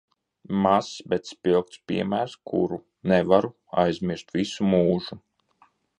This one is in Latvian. Mazs, bet spilgts piemērs, kuru nevaru aizmirst visu mūžu.